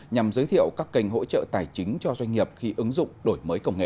nhằm giới thiệu các kênh hỗ trợ tài chính cho doanh nghiệp khi ứng dụng đổi mới công nghệ